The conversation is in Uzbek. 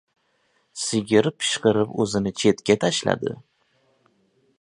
Sigir pishqirib o‘zini chetga tashladi.